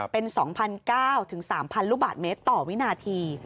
เป็น๒๙๐๐๓๐๐ลูกบาทเมตรต่อวินาที